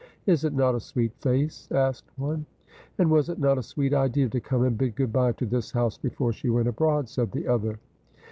' Is it not a sweet face ?' asked one. ' And was it not a sweet idea to come and bid good bye to this house before she went abroad ?' said the other.